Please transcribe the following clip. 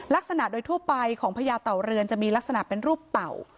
ลักษณะโดยทั่วไปของพญาเต่าเรือนจะมีลักษณะเป็นรูปเต่า